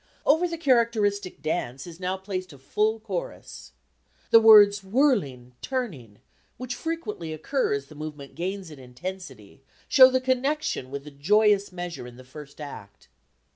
Over the characteristic dance is now placed a full chorus. The words "whirling, turning," which frequently occur as the movement gains in intensity, show the connection with the joyous measure in the first act.